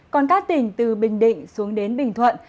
còn các tỉnh từ bình định xuống đến bình thuận